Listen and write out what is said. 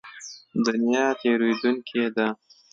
دنیا تېرېدونکې ده.